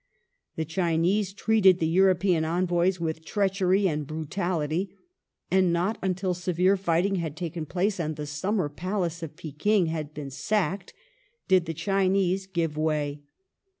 The Chinese treated the European Envoys with treachery and brutality, and not until severe fighting had taken place and the summer Palace at Pekin had been sacked, did the Chinese give way.